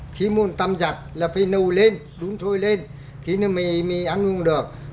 khi muốn tăm giặt là phải nấu lên đun sôi lên khi nó mới ăn uống được